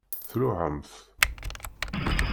Tluɛamt?